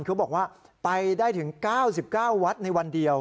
เขาบอกว่าไปได้ถึง๙๙วัดในวันเดียว